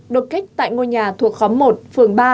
đột kích tại ngôi nhà thuộc khóm một phường ba